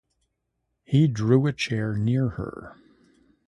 He drew a chair near her.